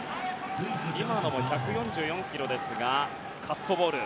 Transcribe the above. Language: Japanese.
今のも１４４キロですがカットボール。